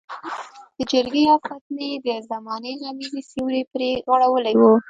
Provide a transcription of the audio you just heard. د جګړې او فتنې د زمانې غمیزې سیوری پرې غوړولی وو.